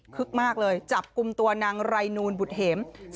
ึกมากเลยจับกลุ่มตัวนางไรนูลบุตรเห็ม